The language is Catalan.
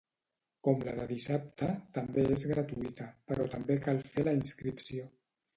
Com la del dissabte, també és gratuïta, però també cal fer la inscripció.